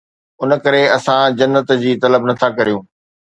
ان ڪري اسان جنت جي طلب نٿا ڪريون